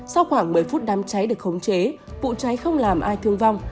sau khoảng một mươi phút đám cháy được khống chế vụ cháy không làm ai thương vong